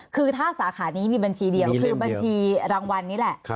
คือถ้าสาขานี้มีบัญชีเดียวคือบัญชีรางวัลนี้แหละ